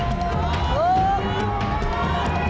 ถูก